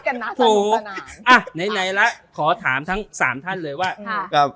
โอ้ถูกอะไหนแล้วขอถามทั้งสามท่านเลยว่า